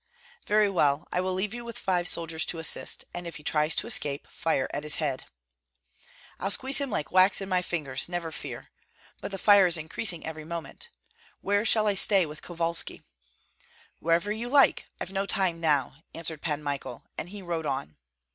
"Very well, I will leave you with five soldiers to assist; and if he tries to escape, fire at his head." "I'll squeeze him like wax in my fingers, never fear! But the fire is increasing every moment. Where shall I stay with Kovalski?" "Wherever you like. I've no time now!" answered Pan Michael, and he rode on.